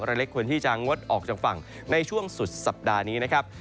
เล็กควรที่จะงดออกจากฝั่งในช่วงสุดสัปดาห์นี้นะครับ